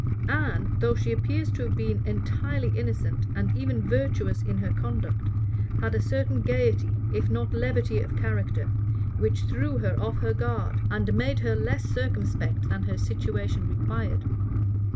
* Burnet, vol. i. p. 196. Anne, though she appears to have been entirely innocent, and even virtuous in her conduct, had a certain gayety, if not levity of character which threw her off her guard, and made her less circumspect than her situation required.